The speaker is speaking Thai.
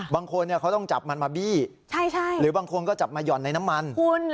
บางคนเขาต้องจับมันมาบี้หรือบางคนก็จับมาหย่อนในน้ำมันคุณ